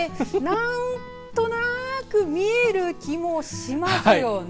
何となく見える気もしますよね。